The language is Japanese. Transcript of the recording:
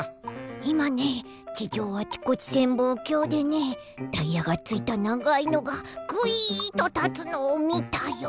いまね地上あちこち潜望鏡でねタイヤがついたながいのがぐいっとたつのをみたよ！